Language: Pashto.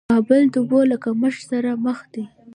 کابل د اوبو له کمښت سره مخ دې